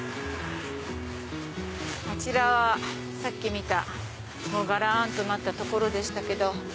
あちらはさっき見たがらんとなった所でしたけど。